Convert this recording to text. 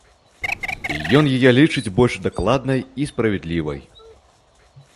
Ён яе лічыць больш дакладнай і справядлівай.